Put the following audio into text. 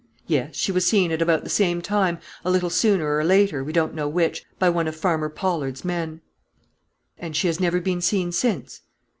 "Yes; she was seen at about the same time a little sooner or later, we don't know which by one of Farmer Pollard's men." "And she has never been seen since?"